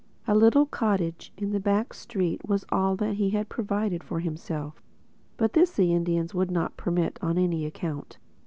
A little cottage in a back street was all that he had provided for himself. But this the Indians would not permit on any account.